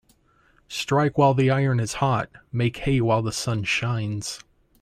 Strike while the iron is hot Make hay while the sun shines.